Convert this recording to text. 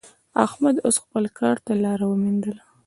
احمد اوس خپل کار ته لاره ومېندله.